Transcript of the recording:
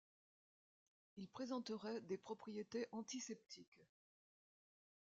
Il présenterait des propriétés antiseptiques.